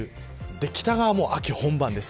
北側が秋本番です。